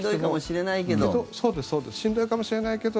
ちょっとしんどいかもしれないけど。